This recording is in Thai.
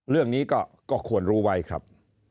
เรื่องนี้ก็ควรรู้ไว้ครับ